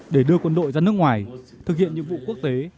để đưa quân đội ra nước ngoài thực hiện nhiệm vụ quốc tế